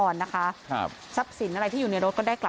มารับในรถ